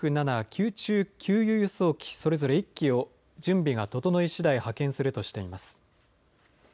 空中給油・輸送機それぞれ１機を準備が整いしだい派遣するとしています。